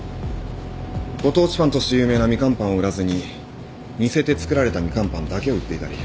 ご当地パンとして有名なみかんパンを売らずに似せて作られたみかんパンだけを売っていたり。